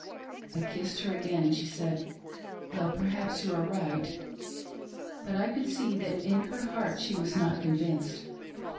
I kissed her again, and she said, " Well, perhaps you are right "; but I could see that in her heart she was not convinced.